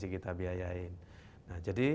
kita biayain nah jadi